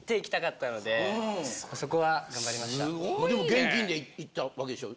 現金でいったわけでしょ。